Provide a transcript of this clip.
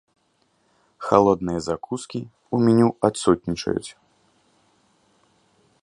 Халодныя закускі ў меню адсутнічаюць.